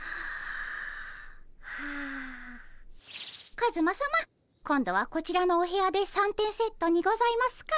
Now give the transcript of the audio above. カズマさま今度はこちらのお部屋で三点セットにございますか？